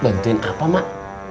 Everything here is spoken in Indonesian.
bantuin apa mak